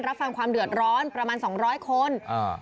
รับฟังความเดือดร้อนประมาณสองร้อยคนอ่า